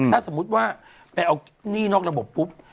ถ้าสมมุติว่าไปเอาหนี้นอกระบบปุ๊บ